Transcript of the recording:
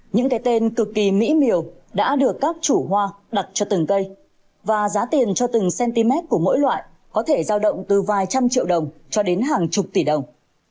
những cái tên cực kỳ mỹ miều đã được các chủ hoa đặt cho từng cây và giá tiền cho từng cm của mỗi loại có thể giao động từ vài trăm triệu đồng cho đến hàng chục tỷ đồng